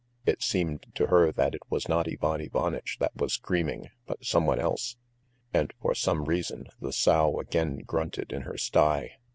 It seemed to her that it was not Ivan Ivanitch that was screaming but someone else, and for some reason the sow again grunted in her sty.